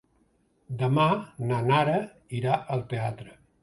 Demà na Nara irà al teatre.